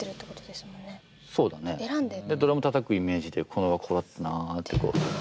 でドラムたたくイメージでこれはここだったなあって。